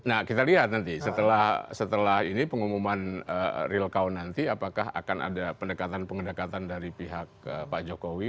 nah kita lihat nanti setelah ini pengumuman real count nanti apakah akan ada pendekatan pendekatan dari pihak pak jokowi